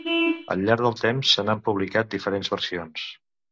Al llarg del temps se n'han publicat diferents versions.